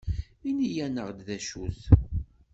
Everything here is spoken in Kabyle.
Ini-aneɣ-d d acu-t.